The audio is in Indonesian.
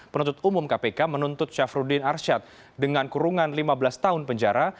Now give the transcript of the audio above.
penuntut umum kpk menuntut syafruddin arsyad dengan kurungan lima belas tahun penjara